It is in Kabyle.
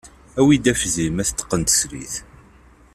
Awi-d afzim, ad t-teqqen teslit.